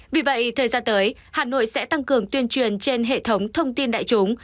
vì vậy thời gian tới hà nội sẽ tăng cường tuyên truyền trên hệ thống thông tin đại chúng